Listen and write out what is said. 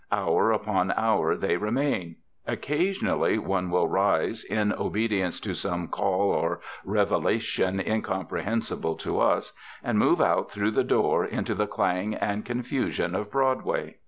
Hour upon hour they remain. Occasionally one will rise, in obedience to some call or revelation incomprehensible to us, and move out through the door into the clang and confusion of Broadway.